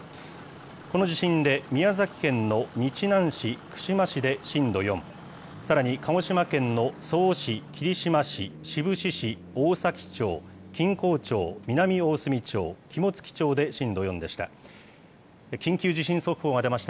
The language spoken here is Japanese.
この地震で宮崎県の日南市、串間市で震度４、さらに鹿児島県の曽於市、霧島市、志布志市、大崎町、錦江町、南大隅町、肝付町で震度４でした。